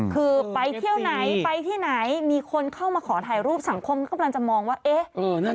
คือไปเที่ยวไหนไปที่ไหนมีคนเข้ามาขอถ่ายรูปสังคมก็กำลังจะมองว่าเอ๊ะ